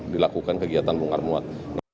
dilakukan kegiatan bungar muat